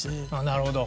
なるほど。